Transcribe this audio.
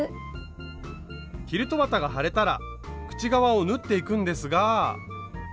キルト綿が貼れたら口側を縫っていくんですが。